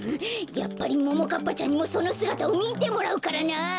やっぱりももかっぱちゃんにもそのすがたをみてもらうからな！